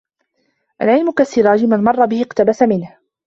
العلم كالسراج من مر به اقتبس منه